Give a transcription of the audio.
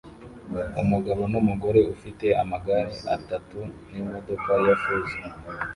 Umugabo numugore ufite amagare atatu nimodoka ya feza